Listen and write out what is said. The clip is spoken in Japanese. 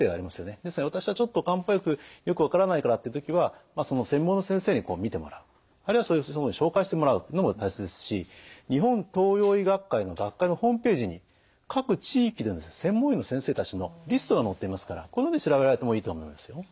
ですので「私はちょっと漢方薬よく分からないから」って時は専門の先生にこう診てもらうあるいはそういう先生を紹介してもらうのも大切ですし日本東洋医学会の学会のホームページに各地域での専門医の先生たちのリストが載っていますからここで調べられてもいいと思いますよ。